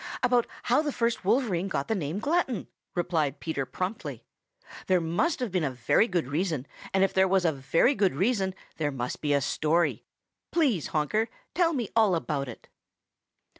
"About how the first Wolverine got the name of Glutton," replied Peter promptly. "There must have been a very good reason, and if there was a very good reason, there must be a story. Please, Honker, tell me all about it."